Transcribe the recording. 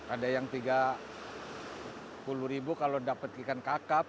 ada yang tiga puluh ribu kalau dapat ikan kakap